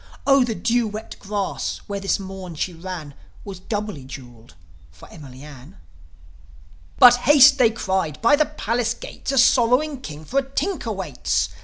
Oh, the dew wet grass, where this morn she ran, Was doubly jewelled for Emily Ann." "But haste!" they cried. "By the palace gates A sorrowing king for a tinker waits.